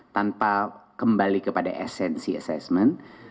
tanpa kembali kepada esensi assessment